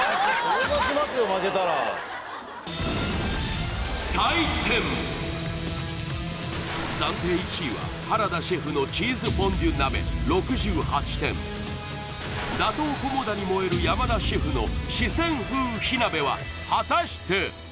負けたらね暫定１位は原田シェフのチーズフォンデュ鍋６８点打倒菰田に燃える山田シェフの四川風火鍋は果たして？